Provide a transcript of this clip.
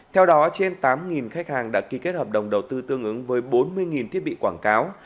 theo đó trên tám khách hàng đã ký kết hợp đồng đầu tư tương ứng với bốn mươi thiết bị quảng cáo